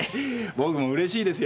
僕もうれしいですよ